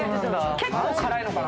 結構辛いのかな？